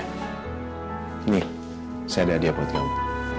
ini saya ada hadiah buat kamu